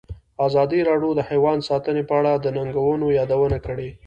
ازادي راډیو د حیوان ساتنه په اړه د ننګونو یادونه کړې.